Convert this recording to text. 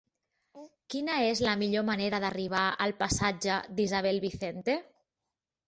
Quina és la millor manera d'arribar al passatge d'Isabel Vicente?